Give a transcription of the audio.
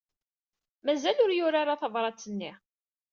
Mazal ur yuri ara tabṛat-nni.